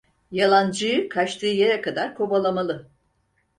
Yalancıyı kaçtığı yere kadar kovalamalı.